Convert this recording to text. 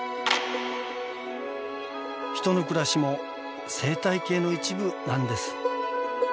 人の暮らしも生態系の一部なんです。